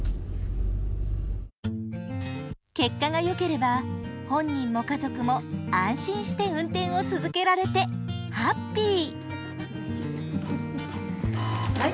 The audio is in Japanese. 結果がよければ本人も家族も安心して運転を続けられてハッピー！